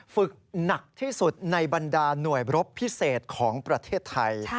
ฝึกหนักที่สุดในบรรดาหน่วยรบพิเศษของประเทศไทย